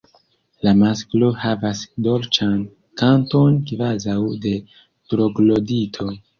La masklo havas dolĉan kanton kvazaŭ de Troglodito.